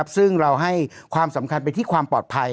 ซึ่งเราให้ความสำคัญไปที่ความปลอดภัย